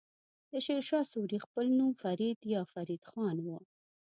د شير شاه سوری خپل نوم فريد يا فريد خان وه.